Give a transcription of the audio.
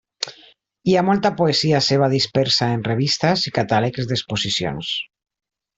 Hi ha molta poesia seva dispersa en revistes i catàlegs d'exposicions.